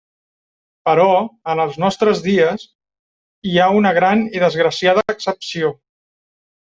Però, en els nostres dies, hi ha una gran i desgraciada excepció.